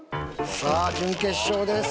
さあ準決勝です。